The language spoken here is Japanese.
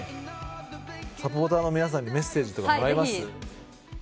サポーターの皆さんにメッセージとかもらいます？